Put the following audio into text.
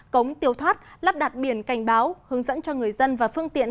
cống tiêu thoát lắp đặt biển cảnh báo hướng dẫn cho người dân và phương tiện